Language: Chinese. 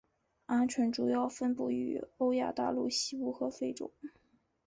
鹌鹑主要分布于欧亚大陆西部和非洲。